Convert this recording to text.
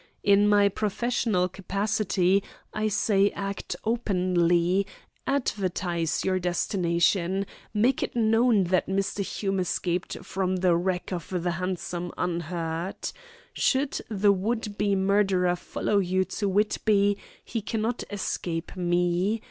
In my professional capacity, I say act openly, advertise your destination, make it known that Mr. Hume escaped from the wreck of the hansom unhurt. Should the would be murderer follow you to Whitby he cannot escape me.